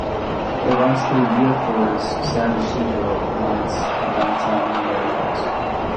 It runs through Miraflores, San Isidro, Lince, and downtown Lima wards.